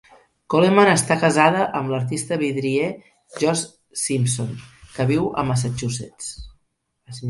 Coleman està casada amb l'artista vidrier Josh Simpson, que viu a Massachusetts.